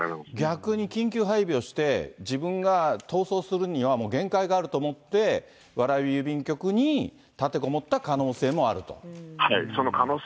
逆に緊急配備をして、自分が逃走するにはもう限界があると思って、蕨郵便局に立てこもった可能性もあると。